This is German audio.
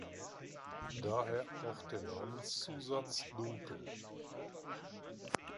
Daher auch der Namenszusatz „Dunkel“.